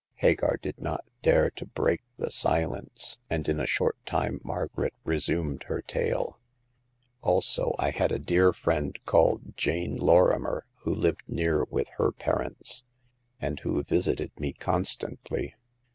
Hagar did not dare to break the silence ; and in a short time Margaret resumed her tale. Also, I had a dear friend called Jane Lor rimer, who lived near with her parents, and who visited me constantly.